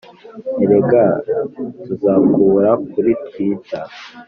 erega tuzakubura kuri twita